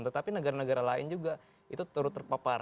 tetapi negara negara lain juga itu turut terpapar